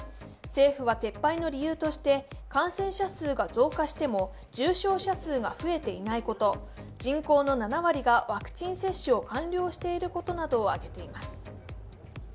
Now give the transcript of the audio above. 政府は撤廃の理由として感染者数が増加しても重症者数が増えていないこと人口の７割がワクチン接種を完了していることなどを挙げています。